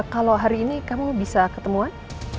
kalau hari ini kamu bisa ketemuan